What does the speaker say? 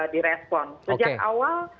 direspon sejak awal